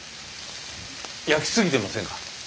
焼き過ぎてませんか？